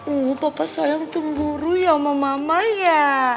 oh saya sayang cemburu ya sama saya ya